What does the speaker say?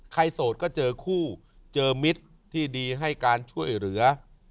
โสดก็เจอคู่เจอมิตรที่ดีให้การช่วยเหลือ